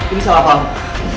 ini salah paham